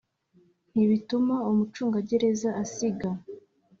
ntibituma umucungagereza asiga